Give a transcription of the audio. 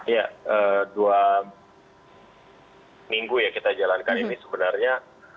ya dua minggu ya kita jalankan ini sebenarnya